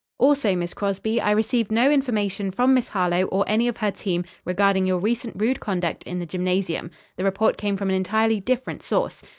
"Also, Miss Crosby, I received no information from Miss Harlowe or any of her team regarding your recent rude conduct in the gymnasium. The report came from an entirely different source.